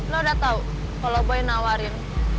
lu udah tau kalo boy nawarin